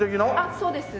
そうです。